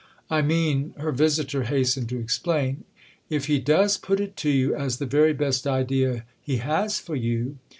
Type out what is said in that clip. "I mean," her visitor hastened to explain, "if he does put it to you as the very best idea he has for you.